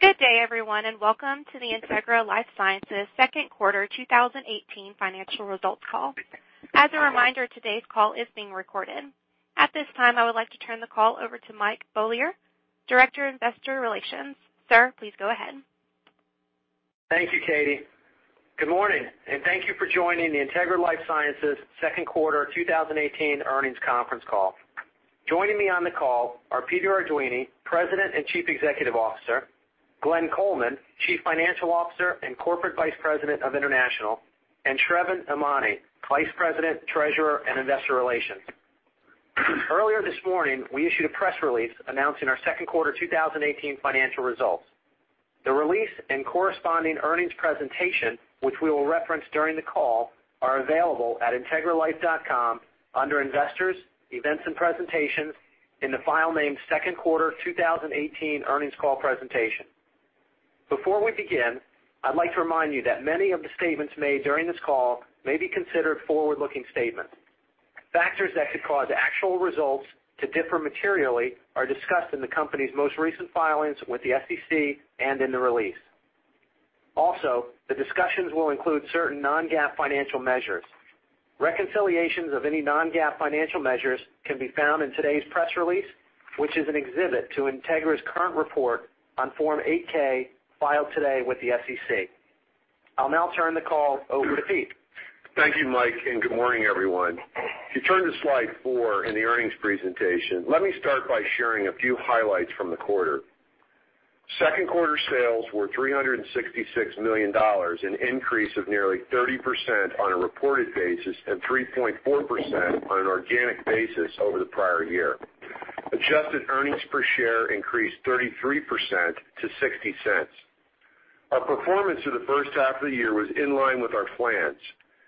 Good day, everyone, and welcome to the Integra LifeSciences Second Quarter 2018 Financial Results Call. As a reminder, today's call is being recorded. At this time, I would like to turn the call over to Mike Beaulieu, Director of Investor Relations. Sir, please go ahead. Thank you, Katie. Good morning, and thank you for joining the Integra LifeSciences Second Quarter 2018 Earnings Conference Call. Joining me on the call are Peter Arduini, President and Chief Executive Officer, Glenn Coleman, Chief Financial Officer and Corporate Vice President of International, and Sravan Emany, Vice President, Treasurer, and Investor Relations. Earlier this morning, we issued a press release announcing our second quarter 2018 financial results. The release and corresponding earnings presentation, which we will reference during the call, are available at integralife.com under Investors, Events and Presentations, in the file named Second Quarter 2018 Earnings Call Presentation. Before we begin, I'd like to remind you that many of the statements made during this call may be considered forward-looking statements. Factors that could cause actual results to differ materially are discussed in the company's most recent filings with the SEC and in the release. Also, the discussions will include certain non-GAAP financial measures. Reconciliations of any non-GAAP financial measures can be found in today's press release, which is an exhibit to Integra's current report on Form 8-K filed today with the SEC. I'll now turn the call over to Pete. Thank you, Mike, and good morning, everyone. If you turn to slide four in the earnings presentation, let me start by sharing a few highlights from the quarter. Second quarter sales were $366 million, an increase of nearly 30% on a reported basis and 3.4% on an organic basis over the prior year. Adjusted earnings per share increased 33% to $0.60. Our performance for the first half of the year was in line with our plans,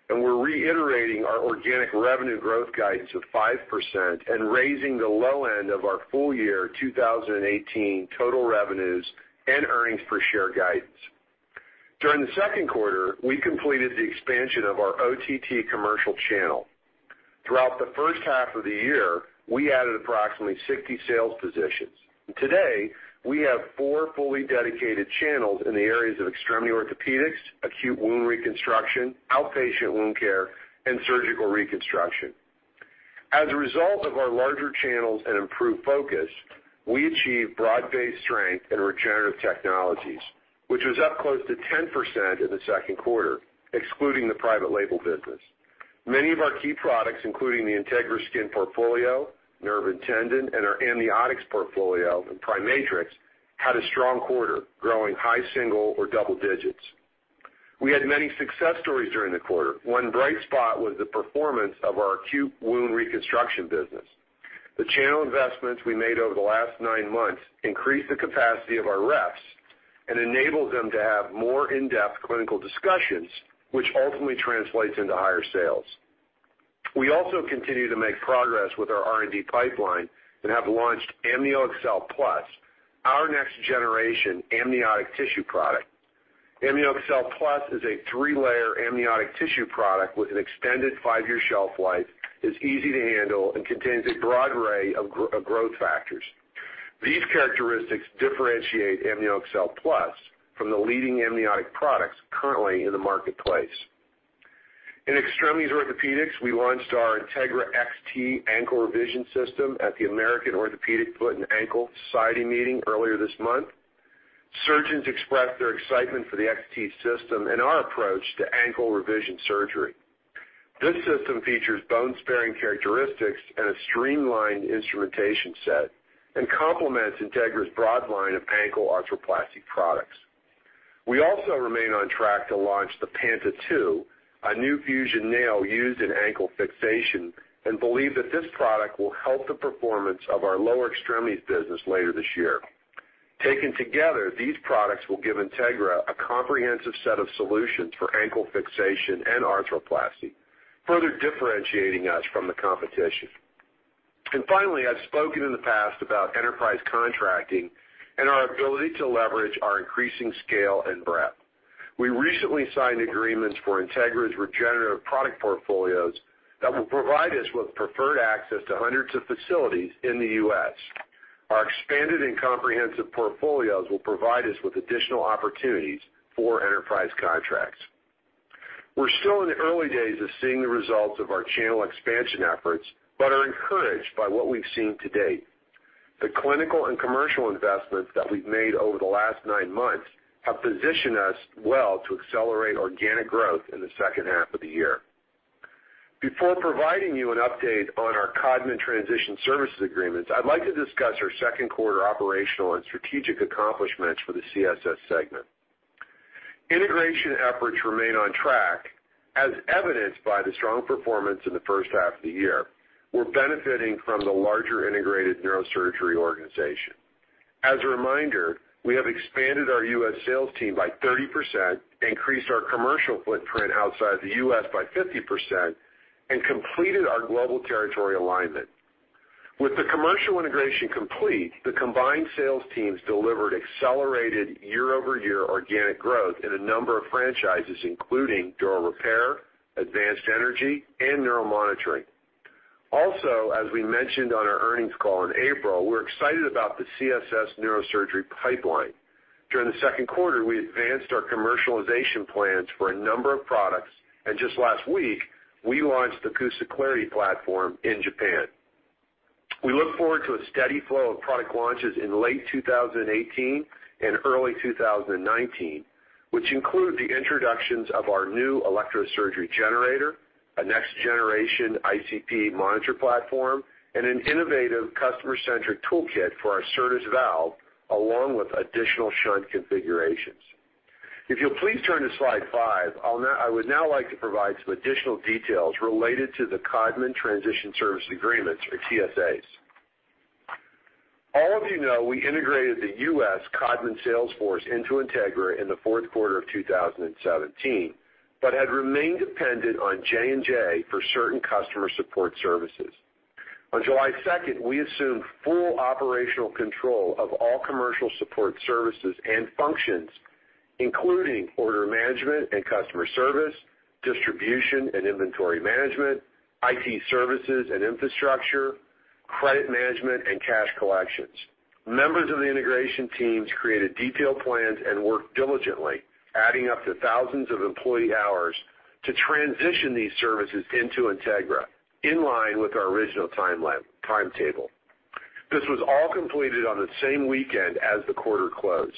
and we're reiterating our organic revenue growth guidance of 5% and raising the low end of our full year 2018 total revenues and earnings per share guidance. During the second quarter, we completed the expansion of our OTT commercial channel. Throughout the first half of the year, we added approximately 60 sales positions. Today, we have four fully dedicated channels in the areas of extremity orthopedics, acute wound reconstruction, outpatient wound care, and surgical reconstruction. As a result of our larger channels and improved focus, we achieved broad-based strength in regenerative technologies, which was up close to 10% in the second quarter, excluding the private label business. Many of our key products, including the Integra Skin portfolio, Nerve and Tendon, and our Amniotics portfolio and PriMatrix, had a strong quarter, growing high single or double digits. We had many success stories during the quarter. One bright spot was the performance of our acute wound reconstruction business. The channel investments we made over the last nine months increased the capacity of our reps and enabled them to have more in-depth clinical discussions, which ultimately translates into higher sales. We also continue to make progress with our R&D pipeline and have launched AmnioExcel Plus, our next generation amniotic tissue product. AmnioExcel Plus is a three-layer amniotic tissue product with an extended five-year shelf life, is easy to handle, and contains a broad array of growth factors. These characteristics differentiate AmnioExcel Plus from the leading amniotic products currently in the marketplace. In extremities orthopedics, we launched our Integra XT ankle revision system at the American Orthopaedic Foot & Ankle Society meeting earlier this month. Surgeons expressed their excitement for the XT system and our approach to ankle revision surgery. This system features bone-sparing characteristics and a streamlined instrumentation set and complements Integra's broad line of ankle arthroplasty products. We also remain on track to launch the Panta 2, a new fusion nail used in ankle fixation, and believe that this product will help the performance of our lower extremities business later this year. Taken together, these products will give Integra a comprehensive set of solutions for ankle fixation and arthroplasty, further differentiating us from the competition. And finally, I've spoken in the past about enterprise contracting and our ability to leverage our increasing scale and breadth. We recently signed agreements for Integra's regenerative product portfolios that will provide us with preferred access to hundreds of facilities in the U.S. Our expanded and comprehensive portfolios will provide us with additional opportunities for enterprise contracts. We're still in the early days of seeing the results of our channel expansion efforts, but are encouraged by what we've seen to date. The clinical and commercial investments that we've made over the last nine months have positioned us well to accelerate organic growth in the second half of the year. Before providing you an update on our Codman Transition Services Agreements, I'd like to discuss our second quarter operational and strategic accomplishments for the CSS segment. Integration efforts remain on track, as evidenced by the strong performance in the first half of the year. We're benefiting from the larger integrated neurosurgery organization. As a reminder, we have expanded our U.S. sales team by 30%, increased our commercial footprint outside the U.S. by 50%, and completed our global territory alignment. With the commercial integration complete, the combined sales teams delivered accelerated year-over-year organic growth in a number of franchises, including Dural Repair, Advanced Energy, and Neuromonitoring. Also, as we mentioned on our earnings call in April, we're excited about the CSS neurosurgery pipeline. During the second quarter, we advanced our commercialization plans for a number of products, and just last week, we launched the CUSA Clarity platform in Japan. We look forward to a steady flow of product launches in late 2018 and early 2019, which include the introductions of our new electrosurgery generator, a next-generation ICP monitor platform, and an innovative customer-centric toolkit for our Certas valve, along with additional shunt configurations. If you'll please turn to slide five, I would now like to provide some additional details related to the Codman Transition Services Agreements, or TSAs. All of you know we integrated the U.S. Codman salesforce into Integra in the fourth quarter of 2017, but had remained dependent on J&J for certain customer support services. On July 2nd, we assumed full operational control of all commercial support services and functions, including order management and customer service, distribution and inventory management, IT services and infrastructure, credit management, and cash collections. Members of the integration teams created detailed plans and worked diligently, adding up to thousands of employee hours, to transition these services into Integra, in line with our original timetable. This was all completed on the same weekend as the quarter closed.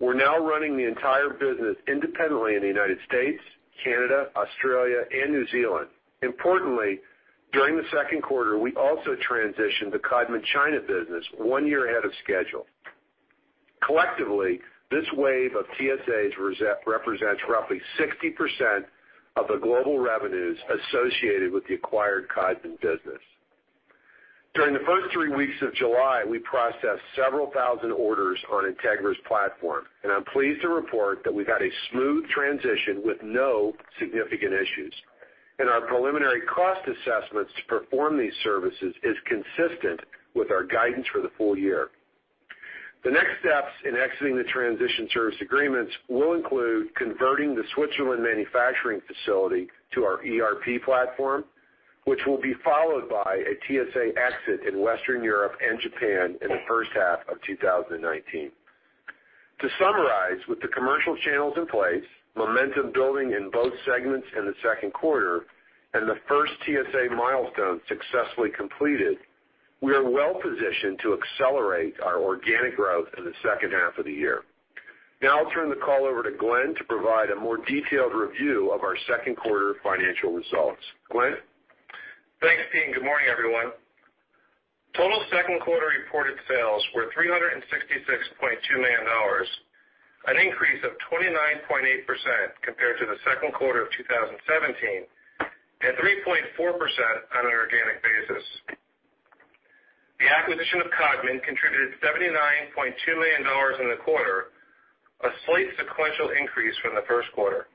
We're now running the entire business independently in the United States, Canada, Australia, and New Zealand. Importantly, during the second quarter, we also transitioned the Codman China business one year ahead of schedule. Collectively, this wave of TSAs represents roughly 60% of the global revenues associated with the acquired Codman business. During the first three weeks of July, we processed several thousand orders on Integra's platform, and I'm pleased to report that we've had a smooth transition with no significant issues, and our preliminary cost assessments to perform these services are consistent with our guidance for the full year. The next steps in exiting the transition service agreements will include converting the Switzerland manufacturing facility to our ERP platform, which will be followed by a TSA exit in Western Europe and Japan in the first half of 2019. To summarize, with the commercial channels in place, momentum building in both segments in the second quarter, and the first TSA milestone successfully completed, we are well positioned to accelerate our organic growth in the second half of the year. Now I'll turn the call over to Glenn to provide a more detailed review of our second quarter financial results. Glenn? Thanks, Pete. And good morning, everyone. Total second quarter reported sales were $366.2 million, an increase of 29.8% compared to the second quarter of 2017, and 3.4% on an organic basis. The acquisition of Codman contributed $79.2 million in the quarter, a slight sequential increase from the first quarter.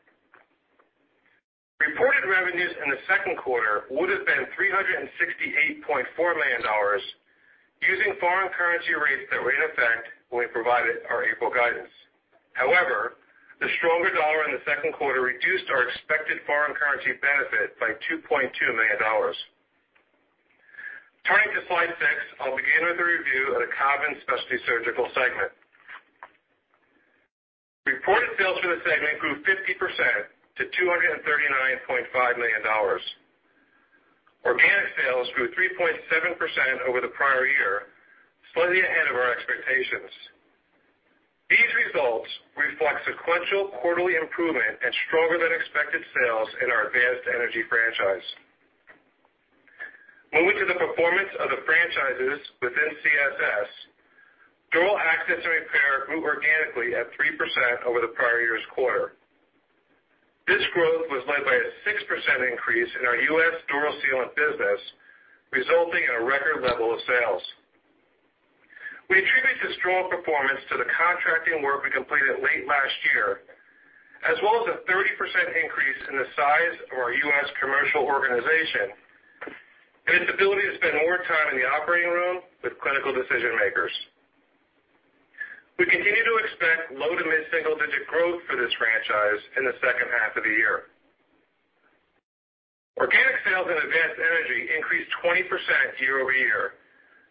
Reported revenues in the second quarter would have been $368.4 million, using foreign currency rates that were in effect when we provided our April guidance. However, the stronger dollar in the second quarter reduced our expected foreign currency benefit by $2.2 million. Turning to slide six, I'll begin with a review of the Codman Specialty Surgical segment. Reported sales for the segment grew 50% to $239.5 million. Organic sales grew 3.7% over the prior year, slightly ahead of our expectations. These results reflect sequential quarterly improvement and stronger-than-expected sales in our Advanced Energy franchise. Moving to the performance of the franchises within CSS, Dural Access and Repair grew organically at 3% over the prior year's quarter. This growth was led by a 6% increase in our U.S. dural sealant business, resulting in a record level of sales. We attribute this strong performance to the contracting work we completed late last year, as well as a 30% increase in the size of our U.S. commercial organization and its ability to spend more time in the operating room with clinical decision-makers. We continue to expect low to mid-single-digit growth for this franchise in the second half of the year. Organic sales in Advanced Energy increased 20% year-over-year,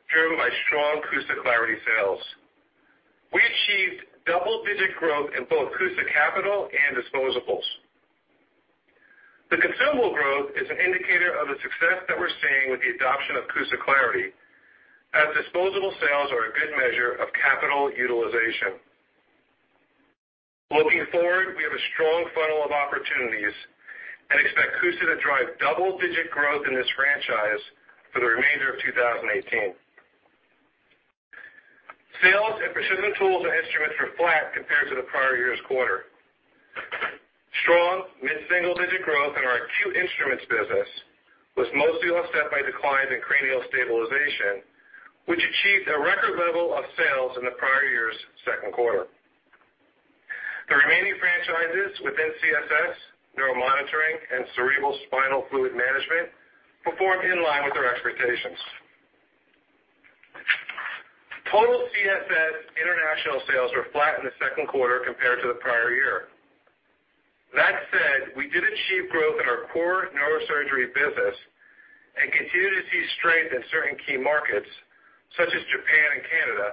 driven by strong CUSA Clarity sales. We achieved double-digit growth in both CUSA capital and disposables. The consumable growth is an indicator of the success that we're seeing with the adoption of CUSA Clarity, as disposable sales are a good measure of capital utilization. Looking forward, we have a strong funnel of opportunities and expect CUSA to drive double-digit growth in this franchise for the remainder of 2018. Sales in Precision Tools and Instruments were flat compared to the prior year's quarter. Strong mid-single-digit growth in our acute instruments business was mostly offset by declines in cranial stabilization, which achieved a record level of sales in the prior year's second quarter. The remaining franchises within CSS, Neuromonitoring, and Cerebrospinal Fluid Management performed in line with our expectations. Total CSS international sales were flat in the second quarter compared to the prior year. That said, we did achieve growth in our core neurosurgery business and continue to see strength in certain key markets, such as Japan and Canada,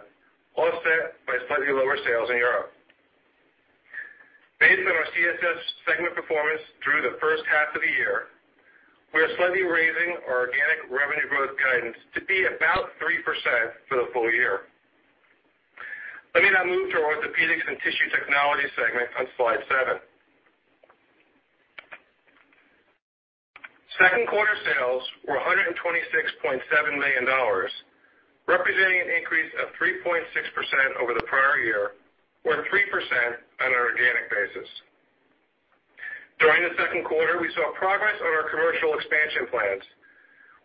offset by slightly lower sales in Europe. Based on our CSS segment performance through the first half of the year, we are slightly raising our organic revenue growth guidance to be about 3% for the full year. Let me now move to our Orthopedics and Tissue Technologies segment on slide seven. Second quarter sales were $126.7 million, representing an increase of 3.6% over the prior year, or 3% on an organic basis. During the second quarter, we saw progress on our commercial expansion plans,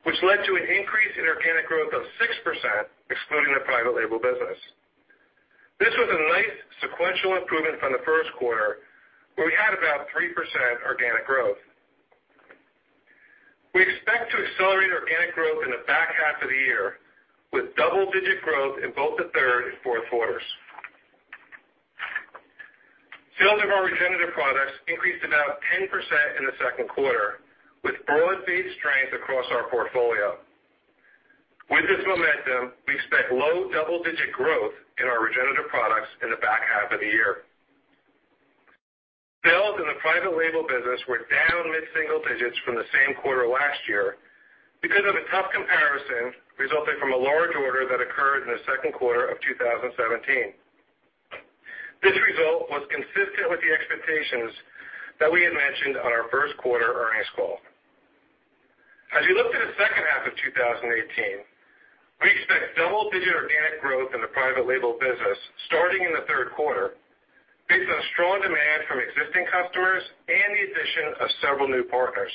which led to an increase in organic growth of 6%, excluding the private label business. This was a nice sequential improvement from the first quarter, where we had about 3% organic growth. We expect to accelerate organic growth in the back half of the year, with double-digit growth in both the third and fourth quarters. Sales of our regenerative products increased about 10% in the second quarter, with early-phase strength across our portfolio. With this momentum, we expect low double-digit growth in our regenerative products in the back half of the year. Sales in the private label business were down mid-single digits from the same quarter last year because of a tough comparison resulting from a large order that occurred in the second quarter of 2017. This result was consistent with the expectations that we had mentioned on our first quarter earnings call. As we look to the second half of 2018, we expect double-digit organic growth in the private label business starting in the third quarter, based on strong demand from existing customers and the addition of several new partners.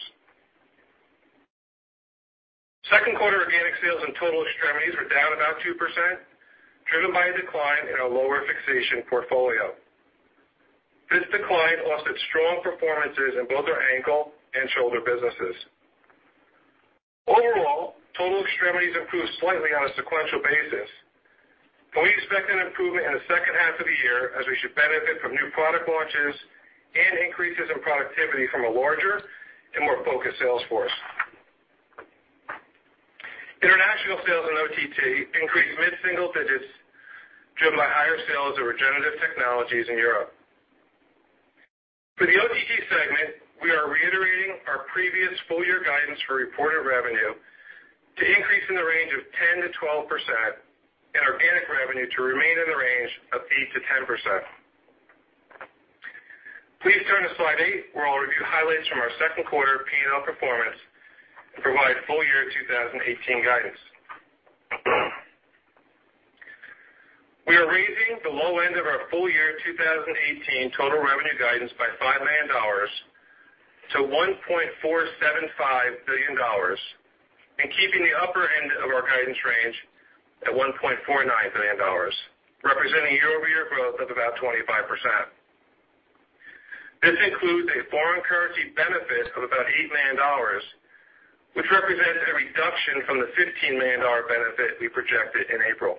Second quarter organic sales in total extremities were down about 2%, driven by a decline in our lower fixation portfolio. This decline offset strong performances in both our ankle and shoulder businesses. Overall, total extremities improved slightly on a sequential basis, but we expect an improvement in the second half of the year as we should benefit from new product launches and increases in productivity from a larger and more focused sales force. International sales in OTT increased mid-single digits, driven by higher sales of regenerative technologies in Europe. For the OTT segment, we are reiterating our previous full-year guidance for reported revenue to increase in the range of 10%-12%, and organic revenue to remain in the range of 8%-10%. Please turn to slide eight, where I'll review highlights from our second quarter P&L performance and provide full-year 2018 guidance. We are raising the low end of our full-year 2018 total revenue guidance by $5 million to $1.475 billion, and keeping the upper end of our guidance range at $1.49 billion, representing year-over-year growth of about 25%. This includes a foreign currency benefit of about $8 million, which represents a reduction from the $15 million benefit we projected in April.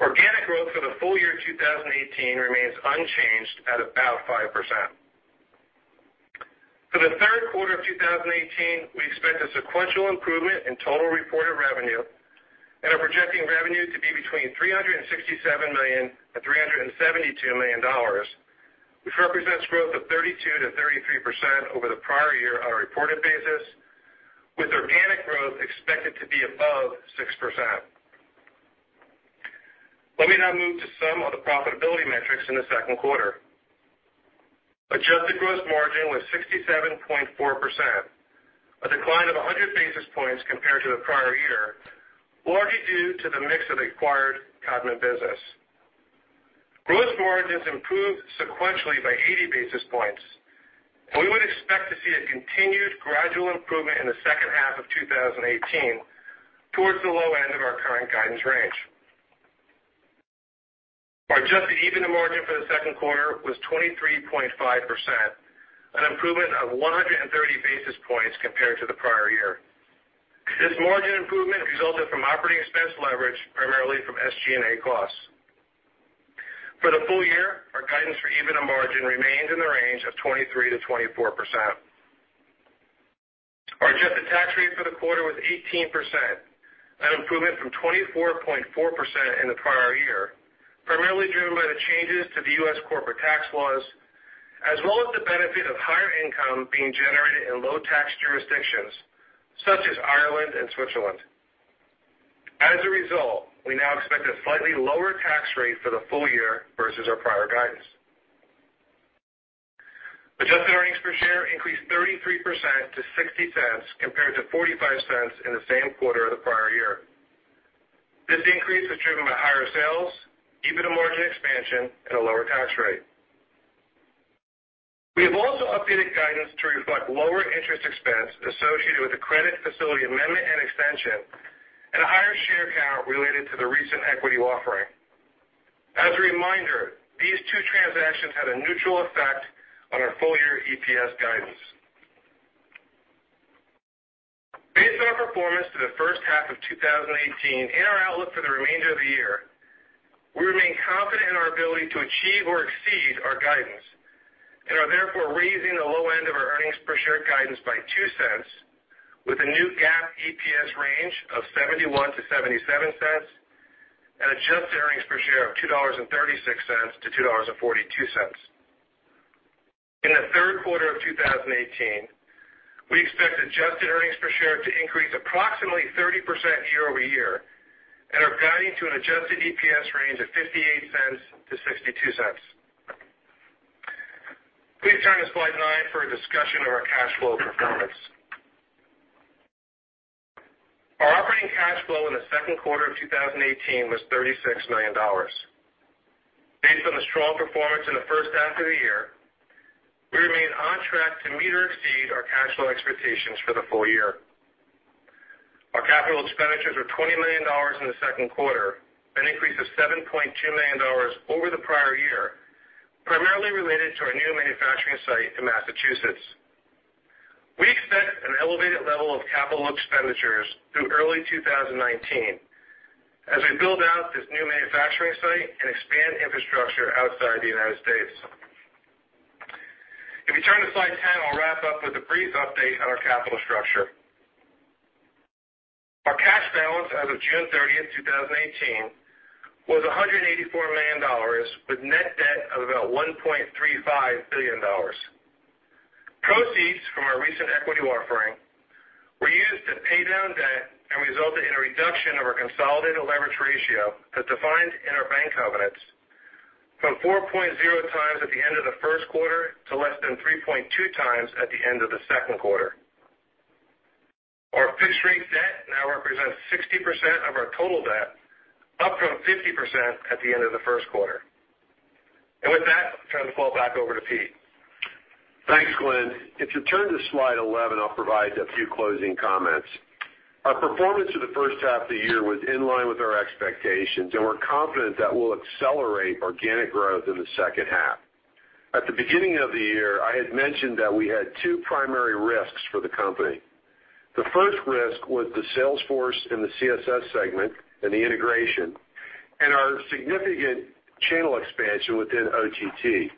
Organic growth for the full year 2018 remains unchanged at about 5%. For the third quarter of 2018, we expect a sequential improvement in total reported revenue and are projecting revenue to be between $367 million and $372 million, which represents growth of 32%-33% over the prior year on a reported basis, with organic growth expected to be above 6%. Let me now move to some of the profitability metrics in the second quarter. Adjusted gross margin was 67.4%, a decline of 100 basis points compared to the prior year, largely due to the mix of the acquired Codman business. Gross margins improved sequentially by 80 basis points, and we would expect to see a continued gradual improvement in the second half of 2018 towards the low end of our current guidance range. Our adjusted EBITDA margin for the second quarter was 23.5%, an improvement of 130 basis points compared to the prior year. This margin improvement resulted from operating expense leverage, primarily from SG&A costs. For the full year, our guidance for EBITDA margin remained in the range of 23%-24%. Our adjusted tax rate for the quarter was 18%, an improvement from 24.4% in the prior year, primarily driven by the changes to the U.S. corporate tax laws, as well as the benefit of higher income being generated in low-tax jurisdictions such as Ireland and Switzerland. As a result, we now expect a slightly lower tax rate for the full year versus our prior guidance. Adjusted earnings per share increased 33% to $0.60 compared to $0.45 in the same quarter of the prior year. This increase was driven by higher sales, gross margin expansion, and a lower tax rate. We have also updated guidance to reflect lower interest expense associated with the credit facility amendment and extension, and a higher share count related to the recent equity offering. As a reminder, these two transactions had a neutral effect on our full-year EPS guidance. Based on our performance through the first half of 2018 in our outlook for the remainder of the year, we remain confident in our ability to achieve or exceed our guidance and are therefore raising the low end of our earnings per share guidance by $0.02, with a new GAAP EPS range of $0.71-$0.77, and adjusted earnings per share of $2.36-$2.42. In the third quarter of 2018, we expect adjusted earnings per share to increase approximately 30% year-over-year and are guiding to an adjusted EPS range of $0.58-$0.62. Please turn to slide nine for a discussion of our cash flow performance. Our operating cash flow in the second quarter of 2018 was $36 million. Based on the strong performance in the first half of the year, we remain on track to meet or exceed our cash flow expectations for the full year. Our capital expenditures were $20 million in the second quarter, an increase of $7.2 million over the prior year, primarily related to our new manufacturing site in Massachusetts. We expect an elevated level of capital expenditures through early 2019 as we build out this new manufacturing site and expand infrastructure outside the United States. If you turn to slide 10, I'll wrap up with a brief update on our capital structure. Our cash balance as of June 30th, 2018, was $184 million, with net debt of about $1.35 billion. Proceeds from our recent equity offering were used to pay down debt and resulted in a reduction of our consolidated leverage ratio as defined in our bank covenants, from 4.0 times at the end of the first quarter to less than 3.2 times at the end of the second quarter. Our fixed-rate debt now represents 60% of our total debt, up from 50% at the end of the first quarter. And with that, I'll turn the call back over to Pete. Thanks, Glenn. If you turn to slide 11, I'll provide a few closing comments. Our performance for the first half of the year was in line with our expectations, and we're confident that we'll accelerate organic growth in the second half. At the beginning of the year, I had mentioned that we had two primary risks for the company. The first risk was the sales force and the CSS segment and the integration, and our significant channel expansion within OTT.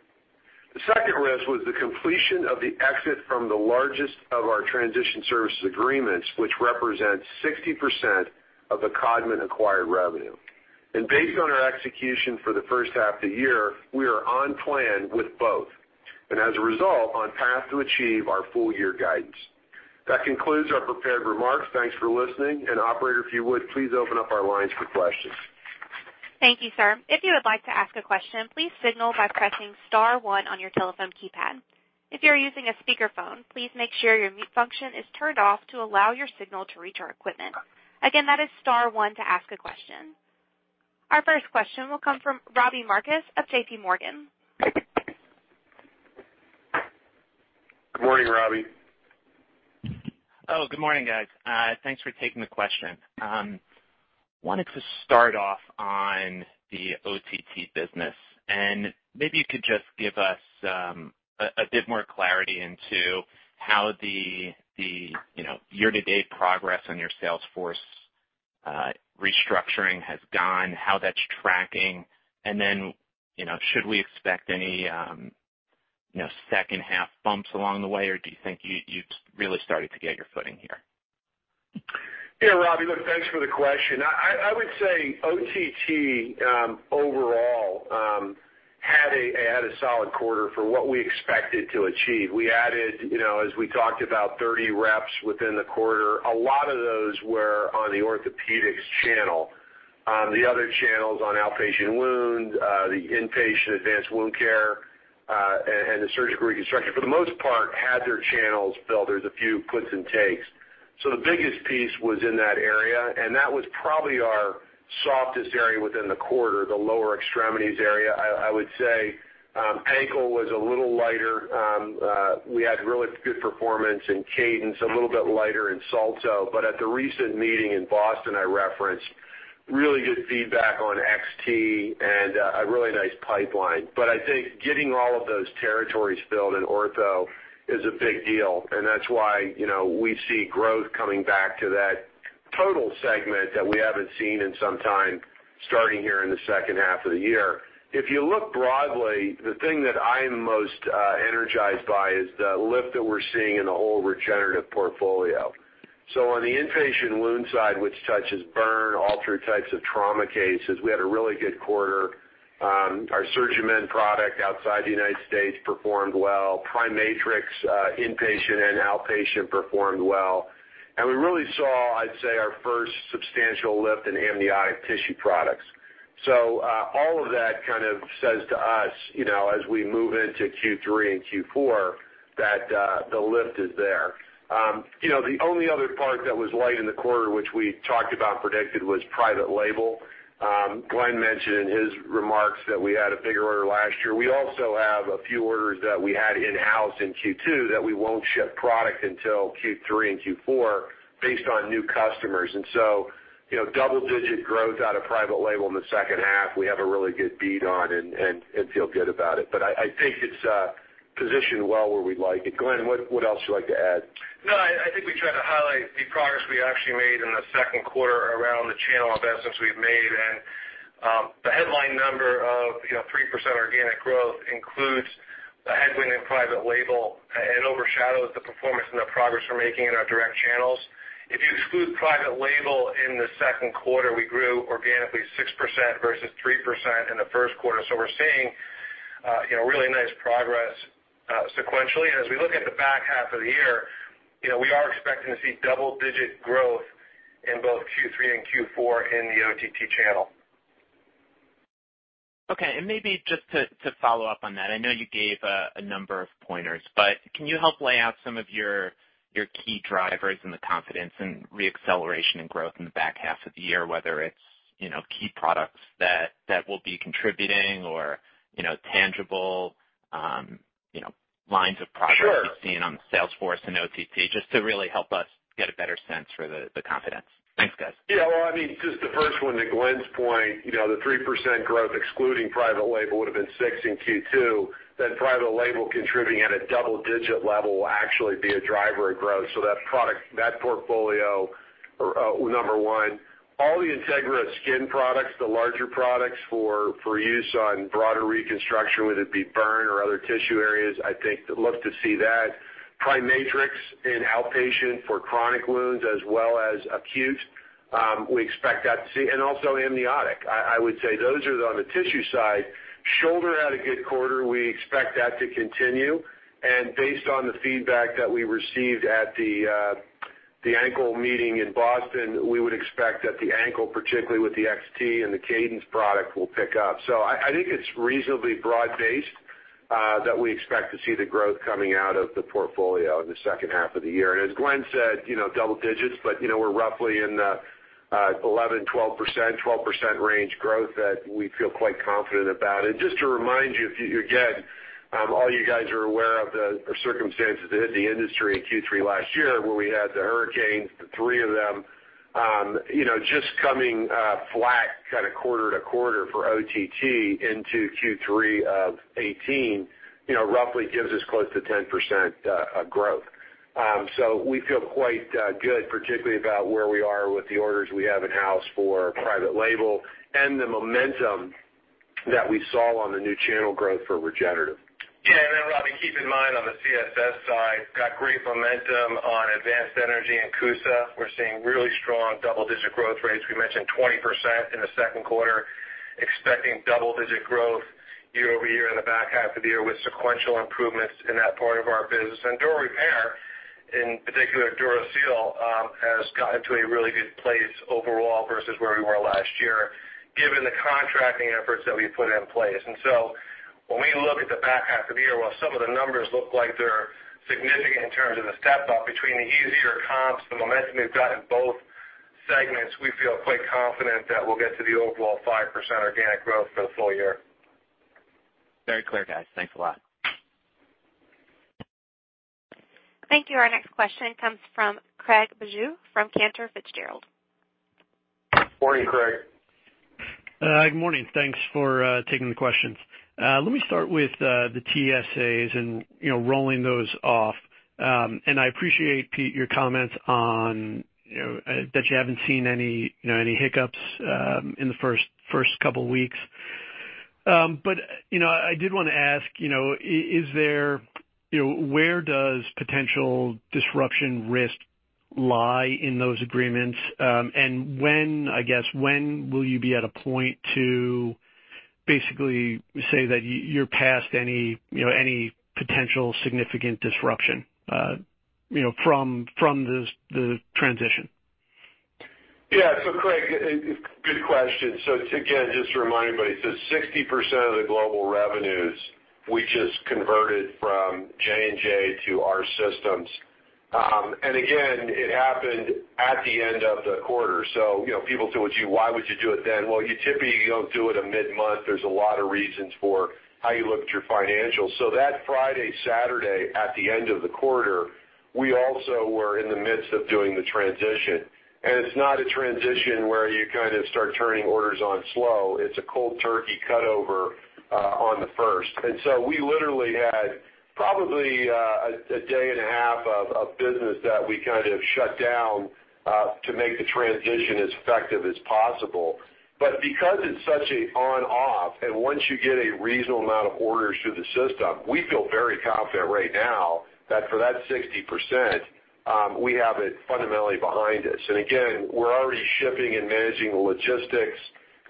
The second risk was the completion of the exit from the largest of our transition services agreements, which represents 60% of the Codman acquired revenue, and based on our execution for the first half of the year, we are on plan with both, and as a result, on path to achieve our full-year guidance. That concludes our prepared remarks. Thanks for listening, and Operator, if you would, please open up our lines for questions. Thank you, sir. If you would like to ask a question, please signal by pressing star one on your telephone keypad. If you're using a speakerphone, please make sure your mute function is turned off to allow your signal to reach our equipment. Again, that is star one to ask a question. Our first question will come from Robbie Marcus of J.P. Morgan. Good morning, Robbie. Oh, good morning, guys. Thanks for taking the question. I wanted to start off on the OTT business, and maybe you could just give us a bit more clarity into how the year-to-date progress on your sales force restructuring has gone, how that's tracking, and then should we expect any second half bumps along the way, or do you think you've really started to get your foot in here? Yeah, Robbie, look, thanks for the question. I would say OTT overall had a solid quarter for what we expected to achieve. We added, as we talked about, 30 reps within the quarter. A lot of those were on the orthopedics channel. The other channels on outpatient wound, the inpatient advanced wound care, and the surgical reconstruction, for the most part, had their channels filled. There's a few puts and takes. So the biggest piece was in that area, and that was probably our softest area within the quarter, the lower extremities area, I would say. Ankle was a little lighter. We had really good performance in Cadence, a little bit lighter in Salto, but at the recent meeting in Boston, I referenced really good feedback on XT and a really nice pipeline. But I think getting all of those territories filled in ortho is a big deal, and that's why we see growth coming back to that total segment that we haven't seen in some time starting here in the second half of the year. If you look broadly, the thing that I'm most energized by is the lift that we're seeing in the whole regenerative portfolio. So on the inpatient wound side, which touches burn, altered types of trauma cases, we had a really good quarter. Our SurgiMend product outside the United States performed well. PriMatrix inpatient and outpatient performed well. And we really saw, I'd say, our first substantial lift in amniotic tissue products. So all of that kind of says to us, as we move into Q3 and Q4, that the lift is there. The only other part that was light in the quarter, which we talked about and predicted, was private label. Glenn mentioned in his remarks that we had a bigger order last year. We also have a few orders that we had in-house in Q2 that we won't ship product until Q3 and Q4 based on new customers. And so double-digit growth out of private label in the second half, we have a really good bead on and feel good about it. But I think it's positioned well where we'd like it. Glenn, what else would you like to add? No, I think we tried to highlight the progress we actually made in the second quarter around the channel investments we've made. And the headline number of 3% organic growth includes a headwind in private label and overshadows the performance and the progress we're making in our direct channels. If you exclude private label in the second quarter, we grew organically 6% versus 3% in the first quarter. So we're seeing really nice progress sequentially. And as we look at the back half of the year, we are expecting to see double-digit growth in both Q3 and Q4 in the OTT channel. Okay. And maybe just to follow up on that, I know you gave a number of pointers, but can you help lay out some of your key drivers and the confidence in re-acceleration and growth in the back half of the year, whether it's key products that will be contributing or tangible lines of progress you've seen on the sales force and OTT, just to really help us get a better sense for the confidence? Thanks, guys. Yeah. Well, I mean, just the first one, to Glenn's point, the 3% growth excluding private label would have been 6% in Q2. That private label contributing at a double-digit level will actually be a driver of growth. So that portfolio, number one. All the Integra Skin products, the larger products for use on broader reconstruction, whether it be burn or other tissue areas, I think look to see that. PriMatrix in outpatient for chronic wounds as well as acute. We expect that to see. And also amniotic, I would say. Those are on the tissue side. Shoulder had a good quarter. We expect that to continue. And based on the feedback that we received at the ankle meeting in Boston, we would expect that the ankle, particularly with the XT and the Cadence product, will pick up. So I think it's reasonably broad-based that we expect to see the growth coming out of the portfolio in the second half of the year. And as Glenn said, double digits, but we're roughly in the 11%-12% range growth that we feel quite confident about. And just to remind you, again, all you guys are aware of the circumstances that hit the industry in Q3 last year where we had the hurricanes, the three of them, just coming flat kind of quarter to quarter for OTT into Q3 of 2018 roughly gives us close to 10% growth. So we feel quite good, particularly about where we are with the orders we have in-house for private label and the momentum that we saw on the new channel growth for regenerative. Yeah. And then, Robbie, keep in mind on the CSS side, got great momentum on Advanced Energy and CUSA. We're seeing really strong double-digit growth rates. We mentioned 20% in the second quarter, expecting double-digit growth year-over-year in the back half of the year with sequential improvements in that part of our business. And Dura Repair, in particular, DuraSeal has gotten to a really good place overall versus where we were last year given the contracting efforts that we put in place. And so when we look at the back half of the year, while some of the numbers look like they're significant in terms of the step-up between the easier comps, the momentum we've got in both segments, we feel quite confident that we'll get to the overall 5% organic growth for the full year. Very clear, guys. Thanks a lot. Thank you. Our next question comes from Craig Bijou from Cantor Fitzgerald. Morning, Craig. Good morning. Thanks for taking the questions. Let me start with the TSAs and rolling those off. And I appreciate, Pete, your comments that you haven't seen any hiccups in the first couple of weeks. But I did want to ask, where does potential disruption risk lie in those agreements? And I guess, when will you be at a point to basically say that you're past any potential significant disruption from the transition? Yeah. So, Craig, good question. So again, just to remind everybody, so 60% of the global revenues we just converted from J&J to our systems. And again, it happened at the end of the quarter. So people say, "Well, why would you do it then?" Well, you typically don't do it a mid-month. There's a lot of reasons for how you look at your financials. So that Friday, Saturday, at the end of the quarter, we also were in the midst of doing the transition. And it's not a transition where you kind of start turning orders on slow. It's a cold turkey cutover on the first. And so we literally had probably a day and a half of business that we kind of shut down to make the transition as effective as possible. But because it's such an on-off, and once you get a reasonable amount of orders through the system, we feel very confident right now that for that 60%, we have it fundamentally behind us. And again, we're already shipping and managing the logistics.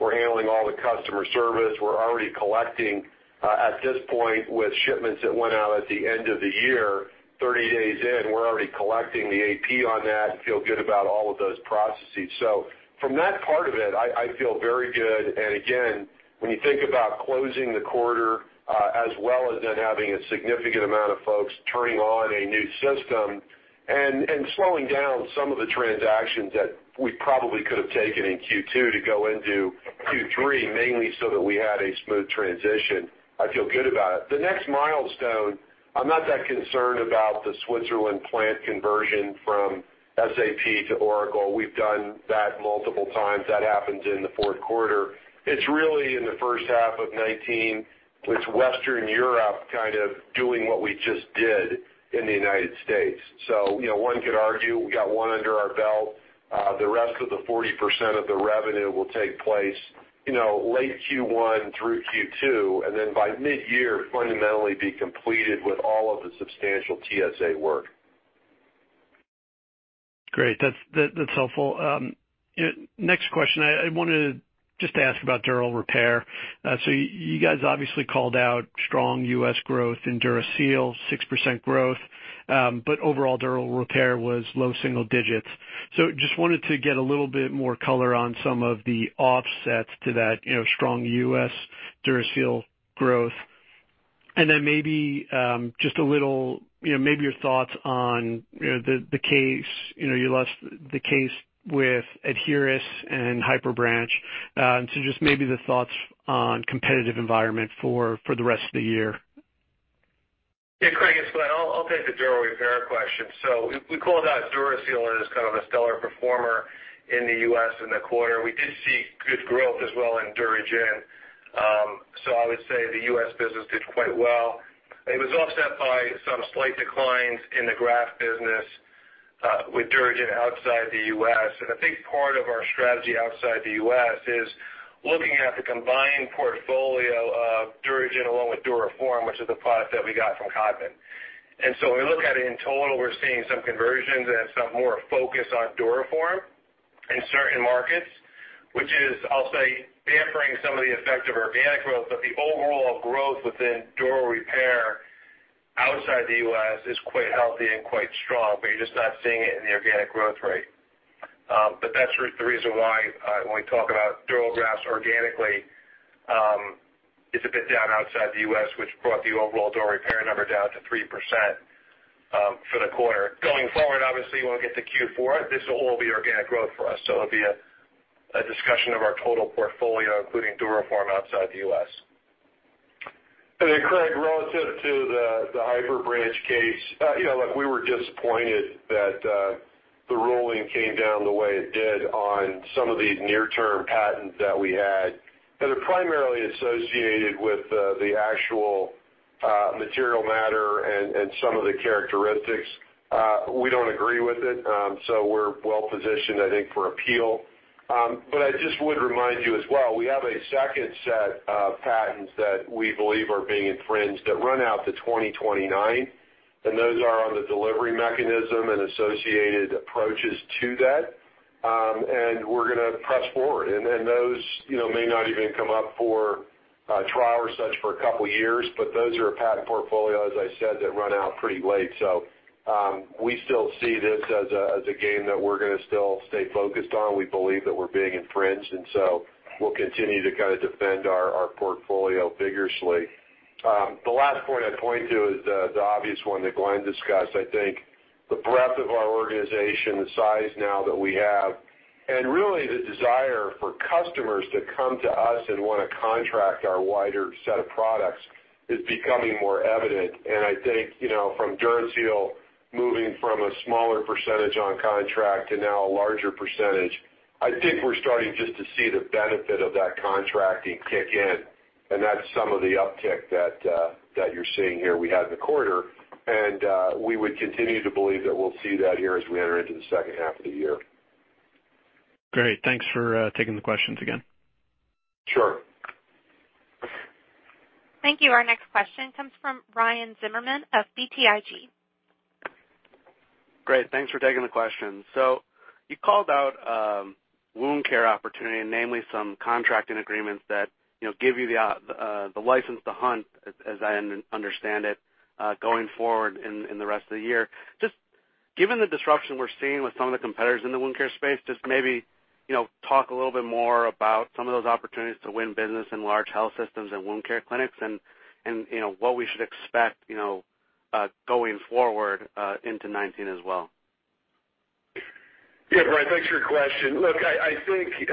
We're handling all the customer service. We're already collecting at this point with shipments that went out at the end of the year, 30 days in. We're already collecting the AP on that and feel good about all of those processes. So from that part of it, I feel very good. And again, when you think about closing the quarter as well as then having a significant amount of folks turning on a new system and slowing down some of the transactions that we probably could have taken in Q2 to go into Q3, mainly so that we had a smooth transition, I feel good about it. The next milestone, I'm not that concerned about the Switzerland plant conversion from SAP to Oracle. We've done that multiple times. That happens in the fourth quarter. It's really in the first half of 2019. It's Western Europe kind of doing what we just did in the United States. So one could argue we got one under our belt. The rest of the 40% of the revenue will take place late Q1 through Q2, and then by mid-year, fundamentally be completed with all of the substantial TSA work. Great. That's helpful. Next question, I wanted to just ask about Dura Repair. So you guys obviously called out strong US growth in DuraSeal, 6% growth, but overall Dura Repair was low single digits. So just wanted to get a little bit more color on some of the offsets to that strong U.S. DuraSeal growth. And then maybe just a little, maybe your thoughts on the case, you left the case with Adherus and HyperBranch. And so just maybe the thoughts on competitive environment for the rest of the year. Yeah, Craig, I guess I'll take the Dura Repair question. So we called out DuraSeal as kind of a stellar performer in the U.S. in the quarter. We did see good growth as well in DuraGen. So I would say the U.S. business did quite well. It was offset by some slight declines in the graft business with DuraGen outside the U.S. And I think part of our strategy outside the U.S. is looking at the combined portfolio of DuraGen along with DuraForm, which is the product that we got from Codman. And so when we look at it in total, we're seeing some conversions and some more focus on DuraForm in certain markets, which is, I'll say, dampening some of the effect of organic growth. But the overall growth within Dura Repair outside the U.S. is quite healthy and quite strong, but you're just not seeing it in the organic growth rate. But that's the reason why when we talk about DuraGen organically, it's a bit down outside the U.S., which brought the overall Dura Repair number down to 3% for the quarter. Going forward, obviously, when we get to Q4, this will all be organic growth for us. So it'll be a discussion of our total portfolio, including DuraForm outside the U.S. And then, Craig, relative to the HyperBranch case, look, we were disappointed that the ruling came down the way it did on some of these near-term patents that we had that are primarily associated with the actual material matter and some of the characteristics. We don't agree with it. So we're well positioned, I think, for appeal. But I just would remind you as well, we have a second set of patents that we believe are being infringed that run out to 2029. And those are on the delivery mechanism and associated approaches to that. And we're going to press forward. And those may not even come up for trial or such for a couple of years, but those are a patent portfolio, as I said, that run out pretty late. So we still see this as a game that we're going to still stay focused on. We believe that we're being infringed. And so we'll continue to kind of defend our portfolio vigorously. The last point I'd point to is the obvious one that Glenn discussed. I think the breadth of our organization, the size now that we have, and really the desire for customers to come to us and want to contract our wider set of products is becoming more evident. I think from DuraSeal, moving from a smaller percentage on contract to now a larger percentage, I think we're starting just to see the benefit of that contracting kick in. That's some of the uptick that you're seeing here we had in the quarter. We would continue to believe that we'll see that here as we enter into the second half of the year. Great. Thanks for taking the questions again. Sure. Thank you. Our next question comes from Ryan Zimmerman of BTIG. Great. Thanks for taking the question. So you called out wound care opportunity, namely some contracting agreements that give you the license to hunt, as I understand it, going forward in the rest of the year. Just given the disruption we're seeing with some of the competitors in the wound care space, just maybe talk a little bit more about some of those opportunities to win business in large health systems and wound care clinics and what we should expect going forward into 2019 as well. Yeah. All right. Thanks for your question. Look, I think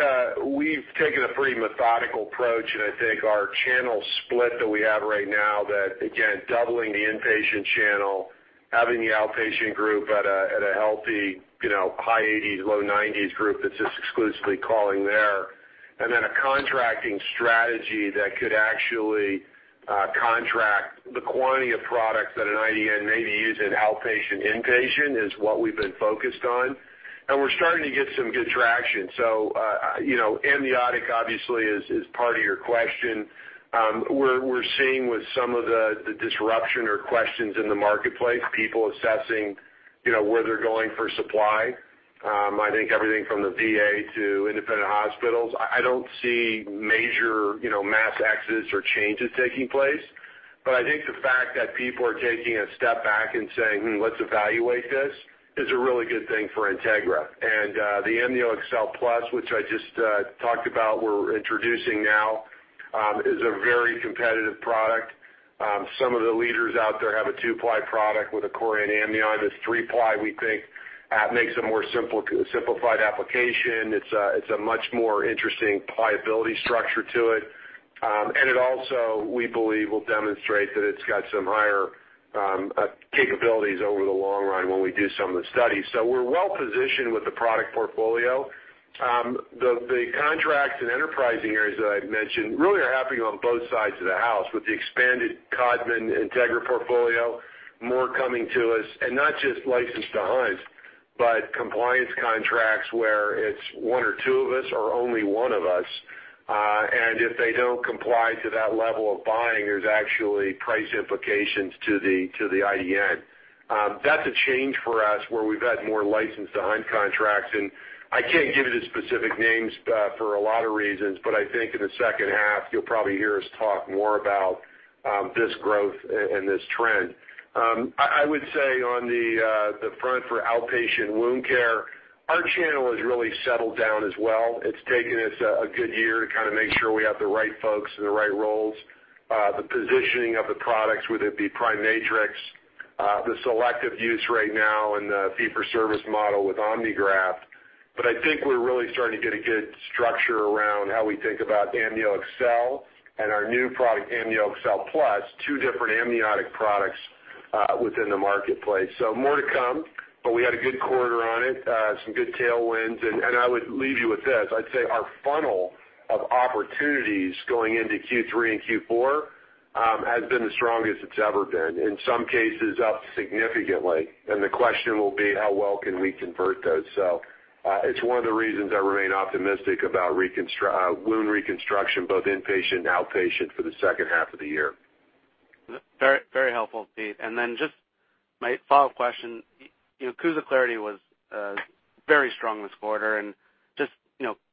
we've taken a pretty methodical approach. And I think our channel split that we have right now, that again, doubling the inpatient channel, having the outpatient group at a healthy high 80s, low 90s group that's just exclusively calling there, and then a contracting strategy that could actually contract the quantity of products that an IDN may be using outpatient/inpatient is what we've been focused on. And we're starting to get some good traction. So amniotic, obviously, is part of your question. We're seeing with some of the disruption or questions in the marketplace, people assessing where they're going for supply. I think everything from the VA to independent hospitals. I don't see major mass exits or changes taking place. I think the fact that people are taking a step back and saying, "Let's evaluate this," is a really good thing for Integra. The AmnioExcel Plus, which I just talked about, we're introducing now, is a very competitive product. Some of the leaders out there have a two-ply product with a chorion amnion. This three-ply, we think, makes a more simplified application. It's a much more interesting pliability structure to it. And it also, we believe, will demonstrate that it's got some higher capabilities over the long run when we do some of the studies. We're well positioned with the product portfolio. The contracts and enterprising areas that I've mentioned really are happening on both sides of the house with the expanded Codman Integra portfolio, more coming to us, and not just licensed to hunt, but compliance contracts where it's one or two of us or only one of us, and if they don't comply to that level of buying, there's actually price implications to the IDN. That's a change for us where we've had more licensed to hunt contracts, and I can't give you the specific names for a lot of reasons, but I think in the second half, you'll probably hear us talk more about this growth and this trend. I would say on the front for outpatient wound care, our channel has really settled down as well. It's taken us a good year to kind of make sure we have the right folks and the right roles, the positioning of the products, whether it be PriMatrix, the selective use right now, and the fee-for-service model with Omnigraft. But I think we're really starting to get a good structure around how we think about AmnioExcel and our new product, AmnioExcel Plus, two different amniotic products within the marketplace. So more to come, but we had a good quarter on it, some good tailwinds. And I would leave you with this. I'd say our funnel of opportunities going into Q3 and Q4 has been the strongest it's ever been, in some cases up significantly. And the question will be how well can we convert those. So it's one of the reasons I remain optimistic about wound reconstruction, both inpatient and outpatient, for the second half of the year. Very helpful, Pete. And then just my follow-up question. CUSA Clarity was very strong this quarter. And just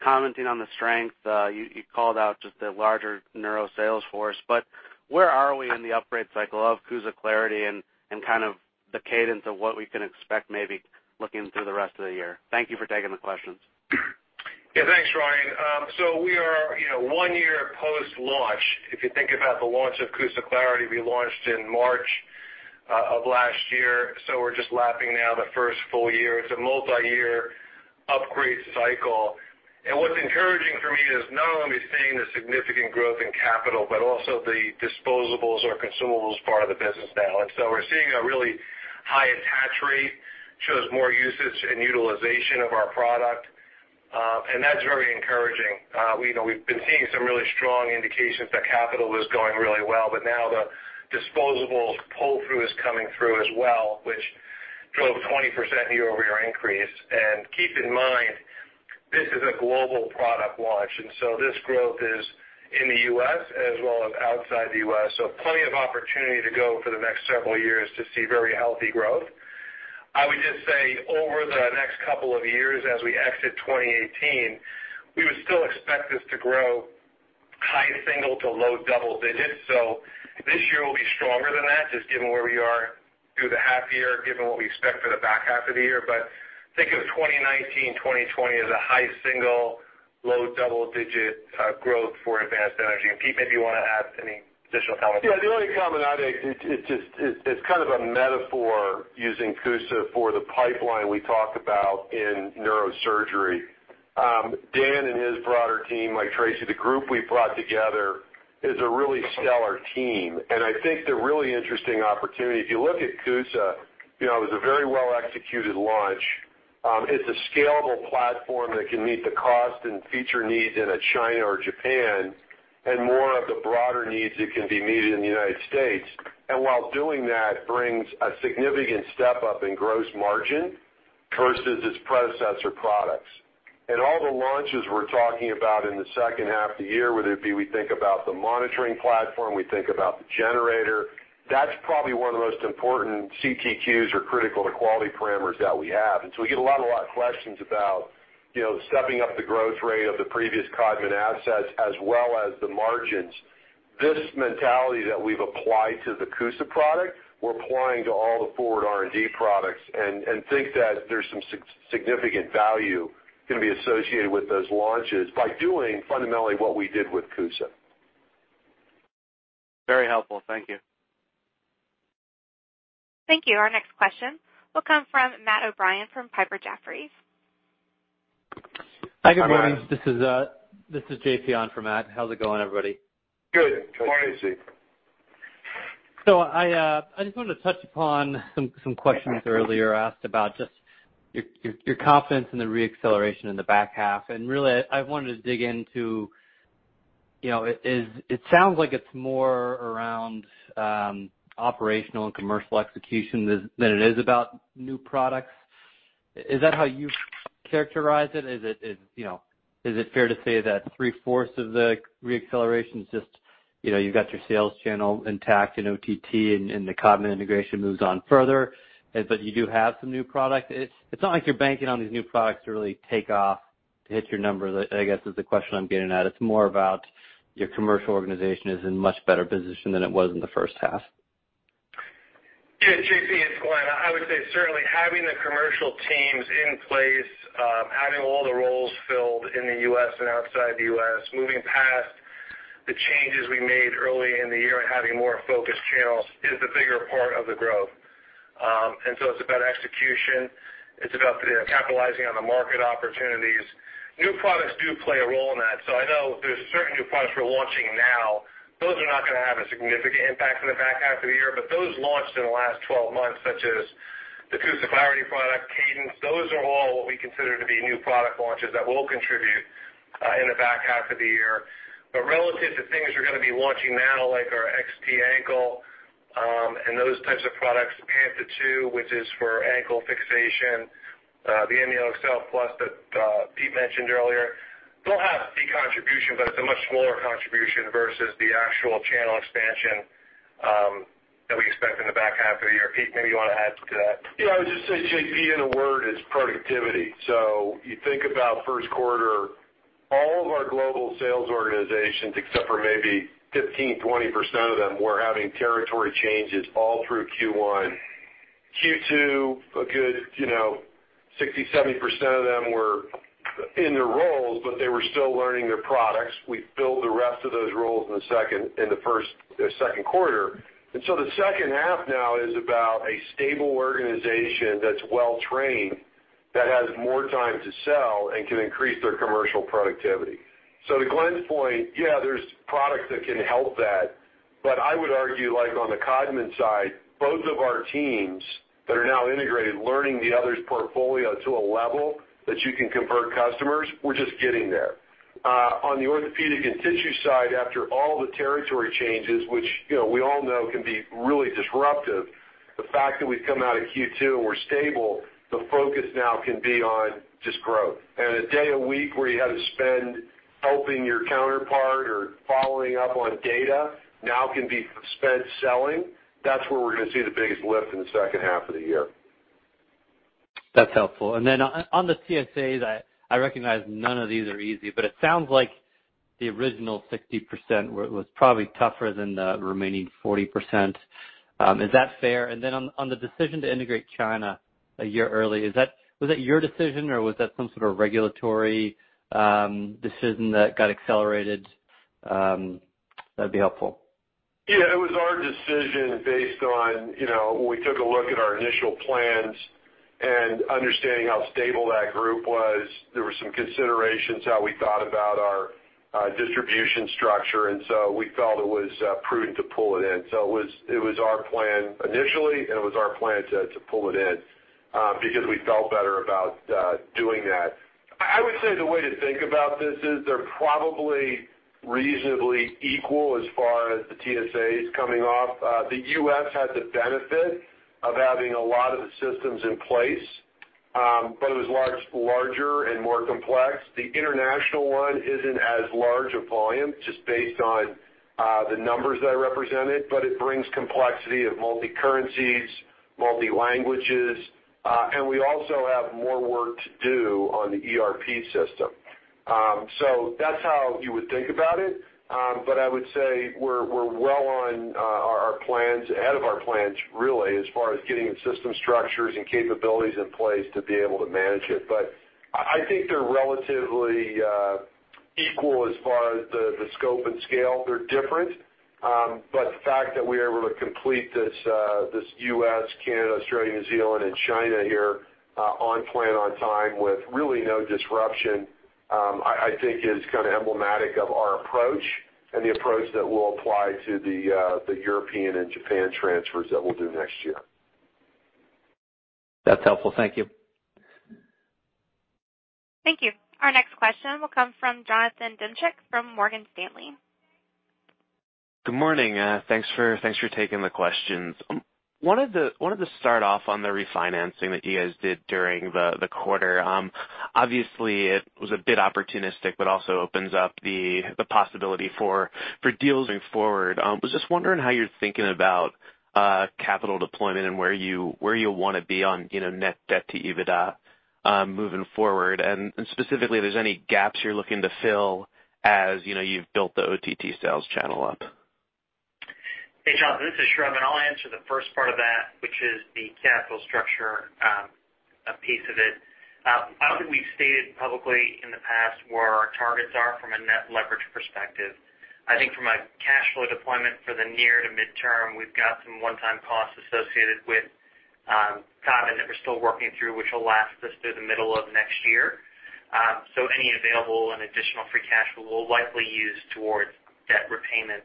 commenting on the strength, you called out just the larger neuro sales force. But where are we in the upgrade cycle of CUSA Clarity and kind of the cadence of what we can expect maybe looking through the rest of the year? Thank you for taking the questions. Yeah. Thanks, Ryan. So we are one year post-launch. If you think about the launch of CUSA Clarity, we launched in March of last year. So we're just lapping now the first full year. It's a multi-year upgrade cycle. And what's encouraging for me is not only are we seeing the significant growth in capital, but also the disposables or consumables part of the business now. And so we're seeing a really high attach rate, shows more usage and utilization of our product. And that's very encouraging. We've been seeing some really strong indications that capital is going really well. But now the disposables pull-through is coming through as well, which drove a 20% year-over-year increase. And keep in mind, this is a global product launch. And so this growth is in the U.S. as well as outside the U.S. So plenty of opportunity to go for the next several years to see very healthy growth. I would just say over the next couple of years, as we exit 2018, we would still expect this to grow high single-digit to low double-digit. So this year will be stronger than that, just given where we are through the half year, given what we expect for the back half of the year. But think of 2019, 2020 as a high single-digit, low double-digit growth for advanced energy, and Pete, maybe you want to add any additional comments. Yeah. The only comment I'd add, it's kind of a metaphor using CUSA for the pipeline we talk about in neurosurgery. Dan and his broader team, like Tracy, the group we brought together is a really stellar team. And I think the really interesting opportunity, if you look at CUSA, it was a very well-executed launch. It's a scalable platform that can meet the cost and feature needs in China or Japan and more of the broader needs that can be met in the United States. And while doing that brings a significant step up in gross margin versus its predecessor products. And all the launches we're talking about in the second half of the year, whether it be we think about the monitoring platform, we think about the generator, that's probably one of the most important CTQs or critical to quality parameters that we have. And so we get a lot of questions about stepping up the growth rate of the previous Codman assets as well as the margins. This mentality that we've applied to the CUSA product, we're applying to all the forward R&D products and think that there's some significant value going to be associated with those launches by doing fundamentally what we did with CUSA. Very helpful. Thank you. Thank you. Our next question will come from Matt O'Brien from Piper Jaffray. Hi, good morning. This is J.P. on for Matt. How's it going, everybody? Good. Good morning J.P. So I just wanted to touch upon some questions earlier asked about just your confidence in the reacceleration in the back half. And really, I wanted to dig into. It sounds like it's more around operational and commercial execution than it is about new products. Is that how you characterize it? Is it fair to say that three-fourths of the reacceleration is just you've got your sales channel intact in OTT, and the Codman integration moves on further, but you do have some new product? It's not like you're banking on these new products to really take off to hit your numbers, I guess, is the question I'm getting at. It's more about your commercial organization is in much better position than it was in the first half. Yeah. JP, it's Glenn. I would say certainly having the commercial teams in place, having all the roles filled in the U.S. and outside the U.S., moving past the changes we made early in the year and having more focused channels is the bigger part of the growth. And so it's about execution. It's about capitalizing on the market opportunities. New products do play a role in that. So I know there's certain new products we're launching now. Those are not going to have a significant impact in the back half of the year. But those launched in the last 12 months, such as the CUSA Clarity product, Cadence, those are all what we consider to be new product launches that will contribute in the back half of the year. But relative to things we're going to be launching now, like our XT ankle and those types of products, Panta 2, which is for ankle fixation, the AmnioExcel Plus that Pete mentioned earlier, they'll have a key contribution, but it's a much smaller contribution versus the actual channel expansion that we expect in the back half of the year. Pete, maybe you want to add to that. Yeah. I would just say JP, in a word, is productivity. So you think about first quarter, all of our global sales organizations, except for maybe 15%-20% of them, were having territory changes all through Q1. Q2, a good 60%-70% of them were in their roles, but they were still learning their products. We filled the rest of those roles in the second quarter. And so the second half now is about a stable organization that's well-trained, that has more time to sell, and can increase their commercial productivity. So to Glenn's point, yeah, there's products that can help that. But I would argue, like on the Codman side, both of our teams that are now integrated, learning the other's portfolio to a level that you can convert customers, we're just getting there. On the Orthopedics and tissue side, after all the territory changes, which we all know can be really disruptive, the fact that we've come out of Q2 and we're stable, the focus now can be on just growth. And a day a week where you had to spend helping your counterpart or following up on data now can be spent selling. That's where we're going to see the biggest lift in the second half of the year. That's helpful. And then on the TSAs, I recognize none of these are easy, but it sounds like the original 60% was probably tougher than the remaining 40%. Is that fair? And then on the decision to integrate China a year early, was that your decision or was that some sort of regulatory decision that got accelerated? That'd be helpful. Yeah. It was our decision based on when we took a look at our initial plans and understanding how stable that group was. There were some considerations how we thought about our distribution structure. And so we felt it was prudent to pull it in. So it was our plan initially, and it was our plan to pull it in because we felt better about doing that. I would say the way to think about this is they're probably reasonably equal as far as the TSAs coming off. The U.S. had the benefit of having a lot of the systems in place, but it was larger and more complex. The international one isn't as large of volume, just based on the numbers that are represented, but it brings complexity of multi-currencies, multi-languages. And we also have more work to do on the ERP system. So that's how you would think about it. But I would say we're well on our plans, ahead of our plans, really, as far as getting the system structures and capabilities in place to be able to manage it. But I think they're relatively equal as far as the scope and scale. They're different. But the fact that we are able to complete this U.S., Canada, Australia, New Zealand, and China here on plan, on time with really no disruption, I think is kind of emblematic of our approach and the approach that will apply to the European and Japan transfers that we'll do next year. That's helpful. Thank you. Thank you. Our next question will come from Jonathan Demchick from Morgan Stanley. Good morning. Thanks for taking the questions. I wanted to start off on the refinancing that you guys did during the quarter. Obviously, it was a bit opportunistic, but also opens up the possibility for deals moving forward. I was just wondering how you're thinking about capital deployment and where you want to be on net debt to EBITDA moving forward. And specifically, if there's any gaps you're looking to fill as you've built the OTT sales channel up? Hey, Jonathan. This is Sravan. And I'll answer the first part of that, which is the capital structure piece of it. I don't think we've stated publicly in the past where our targets are from a net leverage perspective. I think from a cash flow deployment for the near to midterm, we've got some one-time costs associated with Codman that we're still working through, which will last us through the middle of next year. So any available and additional free cash flow we'll likely use towards debt repayment.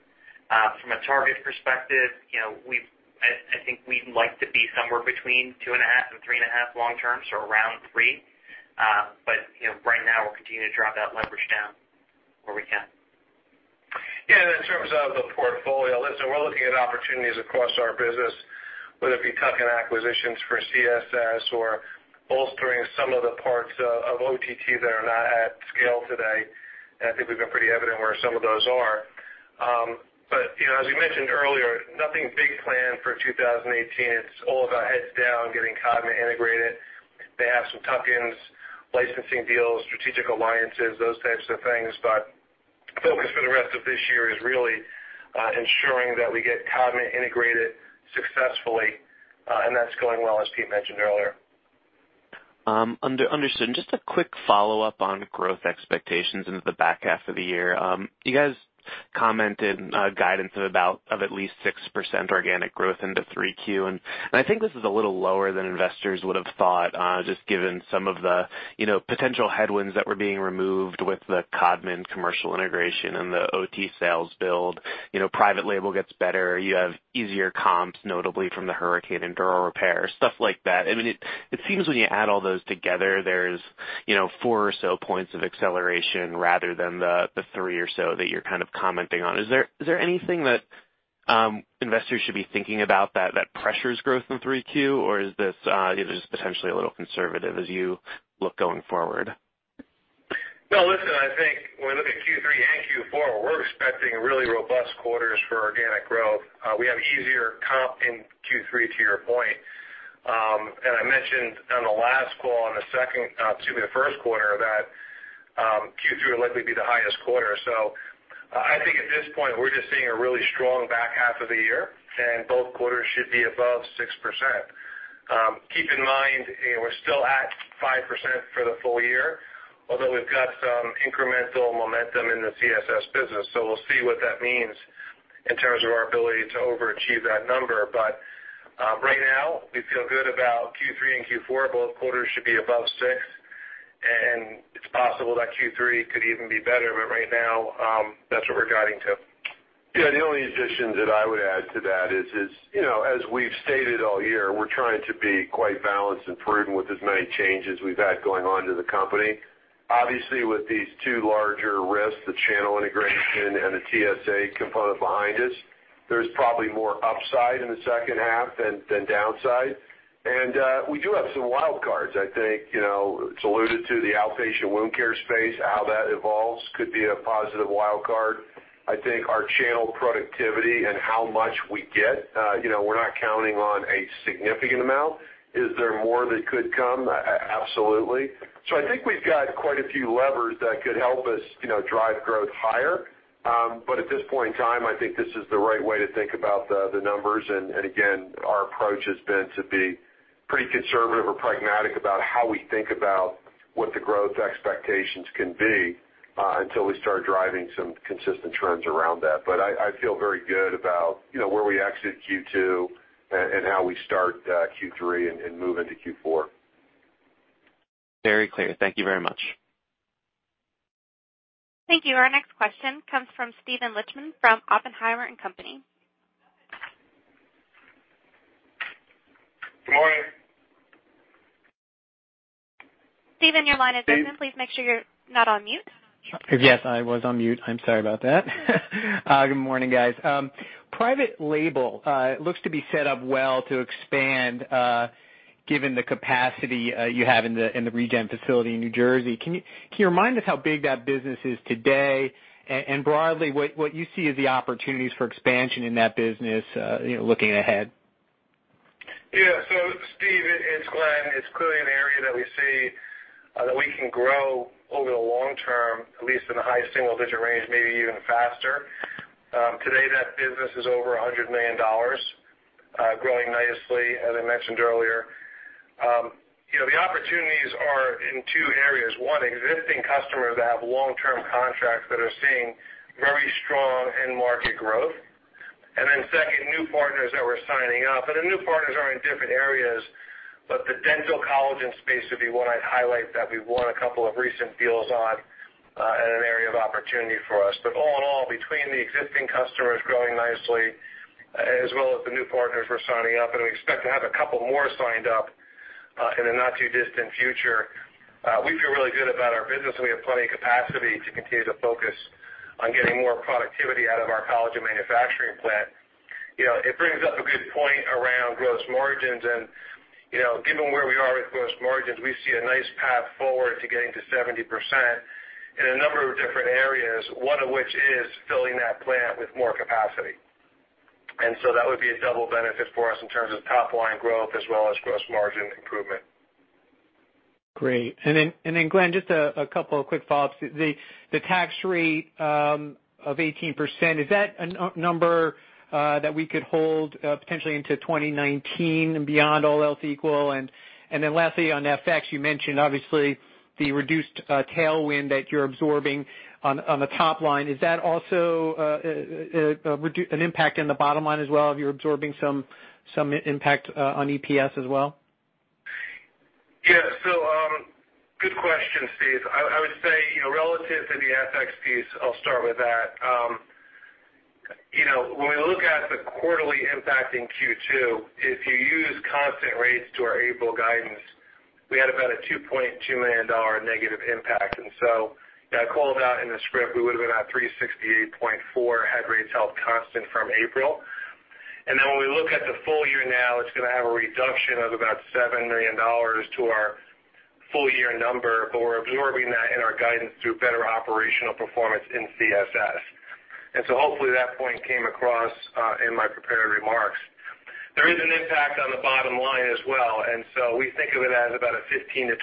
From a target perspective, I think we'd like to be somewhere between two and a half and three and a half long-term, so around three. But right now, we're continuing to drop that leverage down where we can. Yeah. In terms of the portfolio, listen, we're looking at opportunities across our business, whether it be tuck-in acquisitions for CSS or bolstering some of the parts of OTT that are not at scale today. And I think we've been pretty evident where some of those are. But as we mentioned earlier, nothing big planned for 2018. It's all about heads down, getting Codman integrated. They have some tuck-ins, licensing deals, strategic alliances, those types of things. But focus for the rest of this year is really ensuring that we get Codman integrated successfully. And that's going well, as Pete mentioned earlier. Understood. And just a quick follow-up on growth expectations into the back half of the year. You guys commented guidance of at least 6% organic growth into 3Q. And I think this is a little lower than investors would have thought, just given some of the potential headwinds that were being removed with the Codman commercial integration and the OTT sales build. Private label gets better. You have easier comps, notably from the hurricane and dural repair, stuff like that. I mean, it seems when you add all those together, there's four or so points of acceleration rather than the three or so that you're kind of commenting on. Is there anything that investors should be thinking about that pressures growth in 3Q, or is this just potentially a little conservative as you look going forward? Listen, I think when we look at Q3 and Q4, we're expecting really robust quarters for organic growth. We have easier comp in Q3, to your point. I mentioned on the last call, on the second, excuse me, the first quarter, that Q3 will likely be the highest quarter. I think at this point, we're just seeing a really strong back half of the year, and both quarters should be above 6%. Keep in mind, we're still at 5% for the full year, although we've got some incremental momentum in the CSS business. We'll see what that means in terms of our ability to overachieve that number. Right now, we feel good about Q3 and Q4. Both quarters should be above 6%. It's possible that Q3 could even be better. Right now, that's what we're guiding to. Yeah. The only addition that I would add to that is, as we've stated all year, we're trying to be quite balanced and prudent with as many changes we've had going on to the company. Obviously, with these two larger risks, the channel integration and the TSA component behind us, there's probably more upside in the second half than downside, and we do have some wild cards. I think it's alluded to the outpatient wound care space, how that evolves could be a positive wild card. I think our channel productivity and how much we get, we're not counting on a significant amount. Is there more that could come? Absolutely, so I think we've got quite a few levers that could help us drive growth higher, but at this point in time, I think this is the right way to think about the numbers. And again, our approach has been to be pretty conservative or pragmatic about how we think about what the growth expectations can be until we start driving some consistent trends around that. But I feel very good about where we exit Q2 and how we start Q3 and move into Q4. Very clear. Thank you very much. Thank you. Our next question comes from Steven Lichtman from Oppenheimer & Co. Good morning. Steven, your line is open. Please make sure you're not on mute. Yes, I was on mute. I'm sorry about that. Good morning, guys. Private label looks to be set up well to expand given the capacity you have in the Regen facility in New Jersey. Can you remind us how big that business is today, and broadly, what you see as the opportunities for expansion in that business looking ahead? Yeah. So Steve, it's Glenn. It's clearly an area that we see that we can grow over the long term, at least in the high single-digit range, maybe even faster. Today, that business is over $100 million, growing nicely, as I mentioned earlier. The opportunities are in two areas. One, existing customers that have long-term contracts that are seeing very strong end-market growth. And then second, new partners that we're signing up. And the new partners are in different areas, but the dental collagen space would be one I'd highlight that we've won a couple of recent deals on and an area of opportunity for us. But all in all, between the existing customers growing nicely as well as the new partners we're signing up, and we expect to have a couple more signed up in the not-too-distant future, we feel really good about our business. We have plenty of capacity to continue to focus on getting more productivity out of our collagen manufacturing plant. It brings up a good point around gross margins, and given where we are with gross margins, we see a nice path forward to getting to 70% in a number of different areas, one of which is filling that plant with more capacity, and so that would be a double benefit for us in terms of top-line growth as well as gross margin improvement. Great. And then, Glenn, just a couple of quick follow-ups. The tax rate of 18%, is that a number that we could hold potentially into 2019 and beyond, all else equal? And then lastly, on FX, you mentioned obviously the reduced tailwind that you're absorbing on the top line. Is that also an impact in the bottom line as well? Are you absorbing some impact on EPS as well? Yeah. So, good question, Steve. I would say relative to the FX piece, I'll start with that. When we look at the quarterly impact in Q2, if you use constant rates to our April guidance, we had about a $2.2 million negative impact. And so I called out in the script, we would have been at 368.4 hedged rates held constant from April. And then when we look at the full year now, it's going to have a reduction of about $7 million to our full-year number, but we're absorbing that in our guidance through better operational performance in CSS. And so hopefully that point came across in my prepared remarks. There is an impact on the bottom line as well. And so we think of it as about a 15%-20%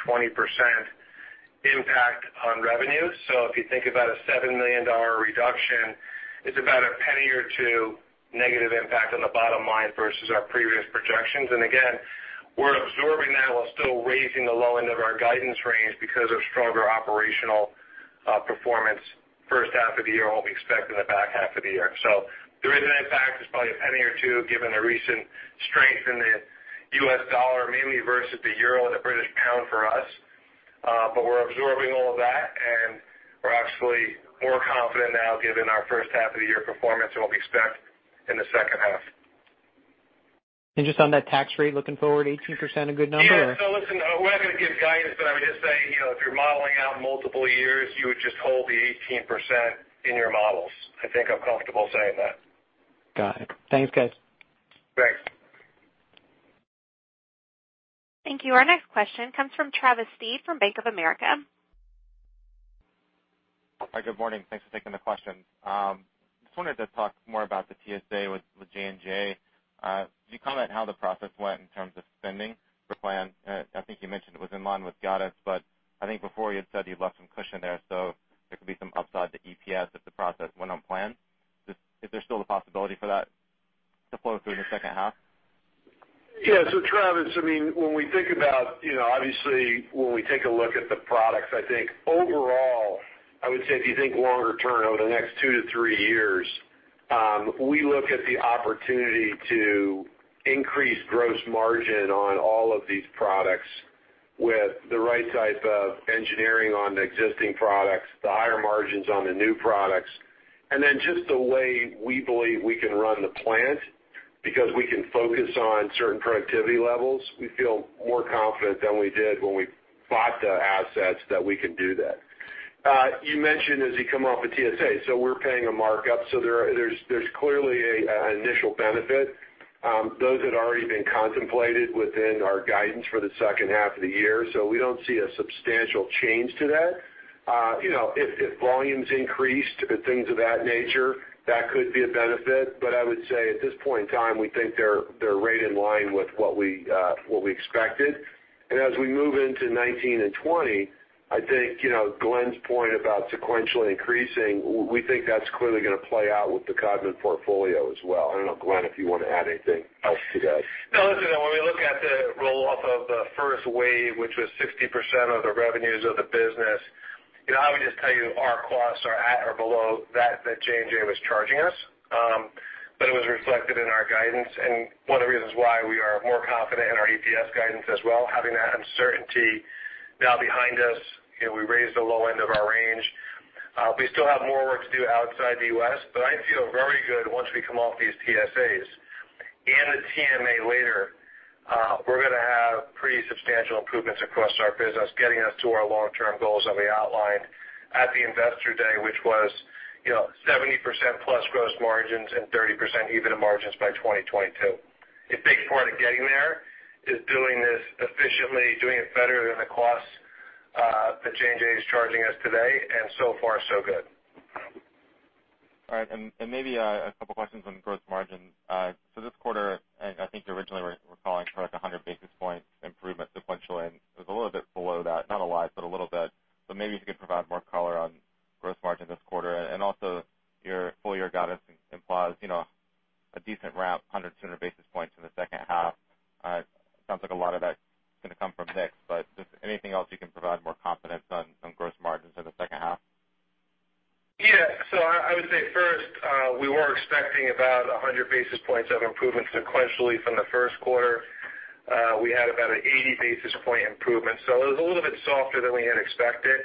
impact on revenue. So if you think about a $7 million reduction, it's about a penny or two negative impact on the bottom line versus our previous projections. And again, we're absorbing that while still raising the low end of our guidance range because of stronger operational performance first half of the year, what we expect in the back half of the year. So there is an impact. It's probably a penny or two given the recent strength in the U.S. dollar, mainly versus the euro and the British pound for us. But we're absorbing all of that, and we're actually more confident now given our first half of the year performance and what we expect in the second half. Just on that tax rate, looking forward, 18% a good number, or? Yeah. So listen, we're not going to give guidance, but I would just say if you're modeling out multiple years, you would just hold the 18% in your models. I think I'm comfortable saying that. Got it. Thanks, guys. Thanks. Thank you. Our next question comes from Travis Steed from Bank of America. Hi. Good morning. Thanks for taking the question. Just wanted to talk more about the TSA with J&J. Did you comment on how the process went in terms of spending for plan? I think you mentioned it was in line with guidance, but I think before you had said you left some cushion there, so there could be some upside to EPS if the process went on plan. Is there still a possibility for that to flow through in the second half? Yeah. So Travis, I mean, when we think about obviously when we take a look at the products, I think overall, I would say if you think longer term over the next two to three years, we look at the opportunity to increase gross margin on all of these products with the right type of engineering on the existing products, the higher margins on the new products. And then just the way we believe we can run the plant because we can focus on certain productivity levels, we feel more confident than we did when we bought the assets that we can do that. You mentioned as you come off of TSA, so we're paying a markup. So there's clearly an initial benefit. Those had already been contemplated within our guidance for the second half of the year. So we don't see a substantial change to that. If volumes increased or things of that nature, that could be a benefit, but I would say at this point in time, we think they're right in line with what we expected, and as we move into 2019 and 2020, I think Glenn's point about sequentially increasing, we think that's clearly going to play out with the Codman portfolio as well. I don't know, Glenn, if you want to add anything else to that. No, listen, when we look at the roll-off of the first wave, which was 60% of the revenues of the business, I would just tell you our costs are at or below that J&J was charging us, but it was reflected in our guidance, and one of the reasons why we are more confident in our EPS guidance as well, having that uncertainty now behind us, we raised the low end of our range. We still have more work to do outside the U.S. But I feel very good once we come off these TSAs and the TMA later. We're going to have pretty substantial improvements across our business, getting us to our long-term goals that we outlined at the investor day, which was 70% plus gross margins and 30% operating margins by 2022. A big part of getting there is doing this efficiently, doing it better than the costs that J&J is charging us today. And so far, so good. All right. And maybe a couple of questions on gross margins. So this quarter, I think originally we're calling for like 100 basis points improvement sequentially. And it was a little bit below that, not a lot, but a little bit. But maybe if you could provide more color on gross margin this quarter. And also your full-year guidance implies a decent ramp, 100-200 basis points in the second half. It sounds like a lot of that is going to come from mix. But just anything else you can provide more confidence on gross margins in the second half? Yeah. So I would say first, we were expecting about 100 basis points of improvement sequentially from the first quarter. We had about an 80-basis-point improvement. So it was a little bit softer than we had expected.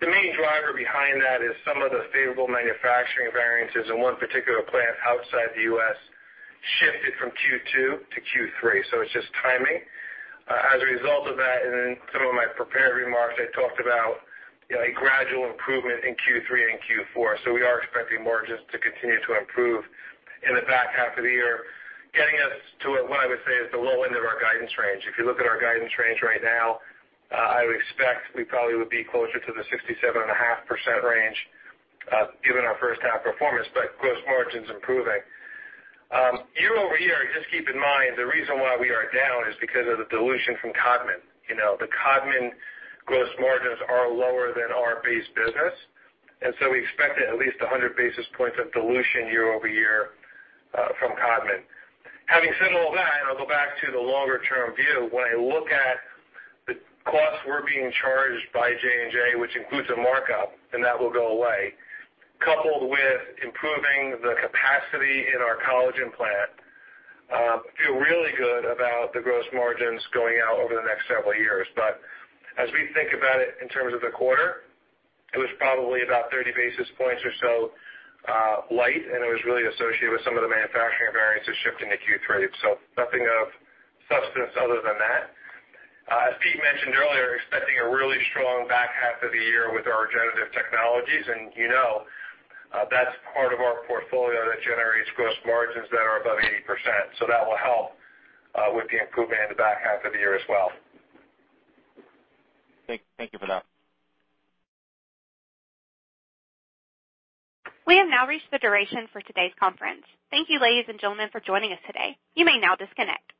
The main driver behind that is some of the favorable manufacturing variances in one particular plant outside the U.S. shifted from Q2 to Q3. So it's just timing. As a result of that, in some of my prepared remarks, I talked about a gradual improvement in Q3 and Q4. So we are expecting margins to continue to improve in the back half of the year, getting us to what I would say is the low end of our guidance range. If you look at our guidance range right now, I would expect we probably would be closer to the 67.5% range given our first-half performance, but gross margins improving. Year-over-year, just keep in mind, the reason why we are down is because of the dilution from Codman. The Codman gross margins are lower than our base business, and so we expect at least 100 basis points of dilution year-over-year from Codman. Having said all that, I'll go back to the longer-term view. When I look at the costs we're being charged by J&J, which includes a markup, and that will go away, coupled with improving the capacity in our collagen plant, I feel really good about the gross margins going out over the next several years, but as we think about it in terms of the quarter, it was probably about 30 basis points or so light, and it was really associated with some of the manufacturing variances shifting to Q3, so nothing of substance other than that. As Pete mentioned earlier, expecting a really strong back half of the year with our regenerative technologies. And you know that's part of our portfolio that generates gross margins that are above 80%. So that will help with the improvement in the back half of the year as well. Thank you for that. We have now reached the duration for today's conference. Thank you, ladies and gentlemen, for joining us today. You may now disconnect.